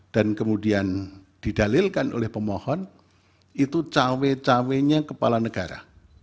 dan kemudian didalilkan oleh pemohon itu cawe cawenya kepala negara